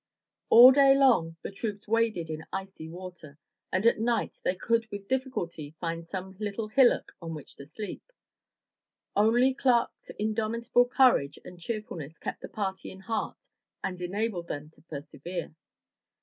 All day long the troops waded in the icy water, and at night they could with difficulty find some little hillock on which to sleep. Only Clark's indomitable courage and cheerfulness kept the party in heart and enabled them to persevere.